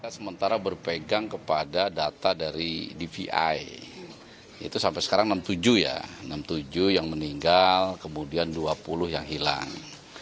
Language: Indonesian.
sementara berpegang kepada data dari dvi itu sampai sekarang enam puluh tujuh ya enam tujuh yang meninggal kemudian dua puluh yang hilang